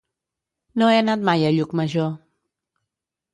No he anat mai a Llucmajor.